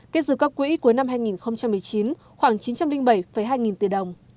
kết dự các quỹ cuối năm hai nghìn một mươi chín khoảng chín trăm linh bảy hai nghìn tỷ đồng